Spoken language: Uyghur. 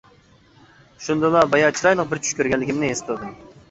شۇندىلا بايا چىرايلىق بىر چۈش كۆرگەنلىكىمنى ھېس قىلدىم.